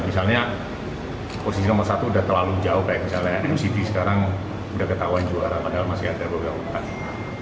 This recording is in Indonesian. misalnya posisi nomor satu udah terlalu jauh kayak misalnya nct sekarang udah ketahuan juara padahal masih ada beberapa pertandingan